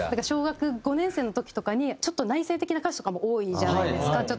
小学５年生の時とかにちょっと内省的な歌詞とかも多いじゃないですか。